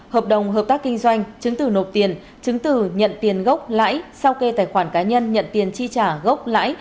hợp đồng hợp tác kinh doanh chứng từ nộp tiền chứng từ nhận tiền gốc lãi sau kê tài khoản cá nhân nhận tiền chi trả gốc lãi